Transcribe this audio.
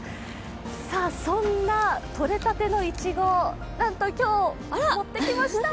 そんなとれたてのいちご、なんと今日、持ってきました。